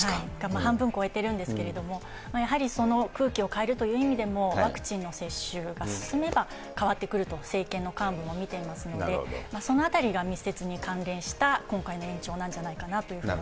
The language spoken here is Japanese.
半分超えてるんですけれども、やはりその空気を変えるという意味でも、ワクチンの接種が進めば変わってくると政権の幹部も見ていますので、そのあたりが密接に関連した今回の延長なんじゃないかなと思い